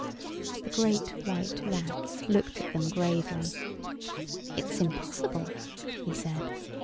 The Great White Rat looked at them gravely. "It's impossible," he said.